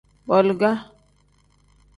Boliga.